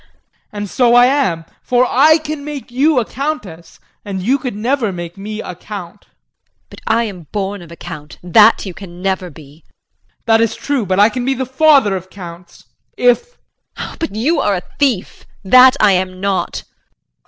JEAN. And so I am! For I can make you a countess and you could never make me a count. JULIE. But I am born of a count, that you can never be. JEAN. That is true, but I can be the father of counts if JULIE. But you are a thief that I am not.